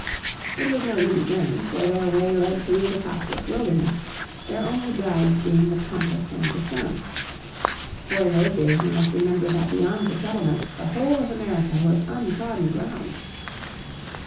It was no easy journey, for their way led through the pathless wilderness, their only guides being the compass and the sun. For in those days we must remember that beyond the settlements the whole of America was untrodden ground.